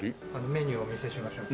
メニューお見せしましょうか。